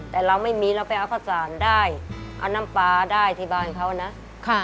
แต่เราไม่มีเราไปเอาข้าวสารได้เอาน้ำปลาได้ที่บ้านเขานะค่ะ